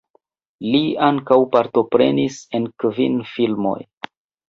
Li ankaŭ partoprenis en kvin filmoj.